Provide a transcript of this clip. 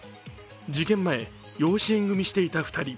事件前、養子縁組していた２人。